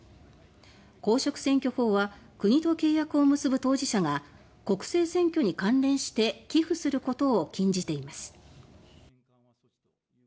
公職選挙法は国と契約を結ぶ当事者が国政選挙に関連して寄付することを禁じています。